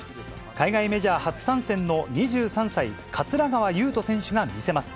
海外メジャー初参戦の２３歳、桂川有人選手が見せます。